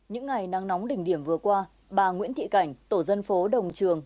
những ngày nắng nóng đỉnh điểm vừa qua bà nguyễn thị cảnh tổ dân phố đồng trường